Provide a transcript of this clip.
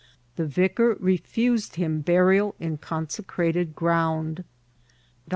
The vicar re fused him burial in consecrated ground. Dr.